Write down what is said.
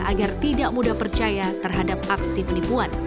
agar tidak mudah percaya terhadap aksi penipuan